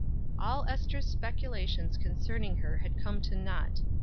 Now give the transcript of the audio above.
All Ester's speculations concerning her had come to naught.